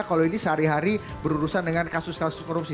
kalau ini sehari hari berurusan dengan kasus kasus korupsi